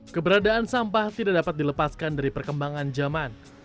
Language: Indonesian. keberadaan sampah tidak dapat dilepaskan dari perkembangan zaman